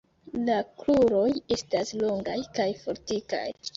La kruroj estas longaj kaj fortikaj.